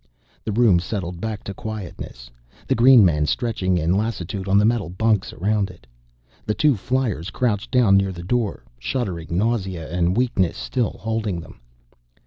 The room settled back to quietness, the green men stretching in lassitude on the metal bunks around it. The two fliers crouched down near the door, shuddering nausea and weakness still holding them.